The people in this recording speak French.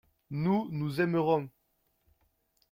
Nous, nous aimerons.